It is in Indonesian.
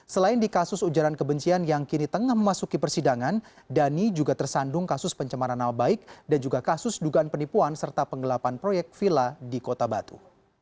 selain di kasus ujaran kebencian yang kini tengah memasuki persidangan dhani juga tersandung kasus pencemaran nama baik dan juga kasus dugaan penipuan serta penggelapan proyek villa di kota batu